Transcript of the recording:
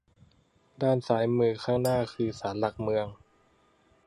ด้านซ้ายมือข้างหน้าคือศาลหลักเมือง